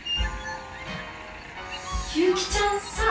悠季ちゃんさ